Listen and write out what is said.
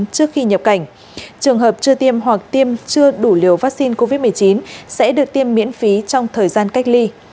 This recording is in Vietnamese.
trước khi nhập cảnh trường hợp chưa tiêm hoặc tiêm chưa đủ liều vaccine covid một mươi chín sẽ được tiêm miễn phí trong thời gian cách ly